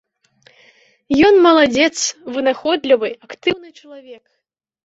Ён маладзец, вынаходлівы, актыўны чалавек.